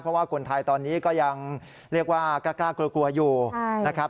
เพราะว่าคนไทยตอนนี้ก็ยังเรียกว่ากล้ากลัวอยู่นะครับ